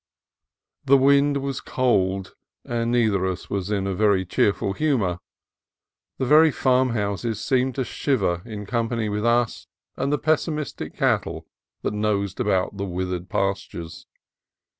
The wind was cold, and neither of us was in very cheerful humor. The very farmhouses seemed to shiver in company with us and the pessimistic cat tle that nosed about the withered pastures.